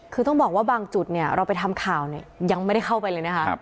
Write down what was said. คือต้องบอกว่าบางจุดเนี่ยเราไปทำข่าวเนี่ยยังไม่ได้เข้าไปเลยนะคะ